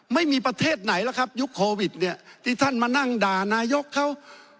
ไม่มีประเทศไหนแล้วครับยุคโควิดเนี่ยที่ท่านมานั่งด่านายกเขา